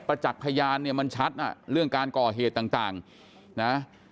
ประจักษณ์ขยานมันชัดอ่ะเรื่องการก่อเหตุต่างนะ